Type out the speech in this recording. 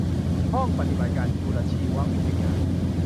ห้องปฏิบัติการจุลชีววิทยา